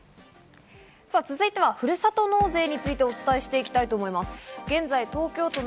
続いてはふるさと納税についてお伝えしていきたいと思います。